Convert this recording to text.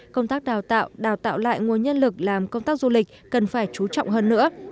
công tác đào tạo đào tạo lại nguồn nhân lực làm công tác du lịch cần phải chú trọng hơn nữa